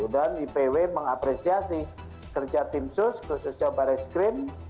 dan ipw mengapresiasi kerja tim sus khususnya baraiskrim